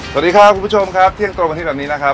สวัสดีครับคุณผู้ชมครับเที่ยงตรงอาทิตย์แบบนี้นะครับ